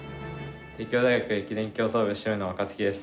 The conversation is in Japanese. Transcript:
帝京大学駅伝競走部主務の若月です。